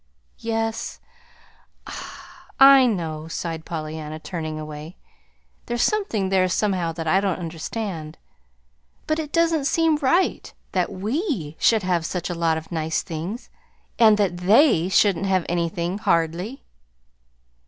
"Yes, I know," sighed Pollyanna, turning away. "There's something there somehow that I don't understand. But it doesn't seem right that WE should have such a lot of nice things, and that THEY shouldn't have anything, hardly."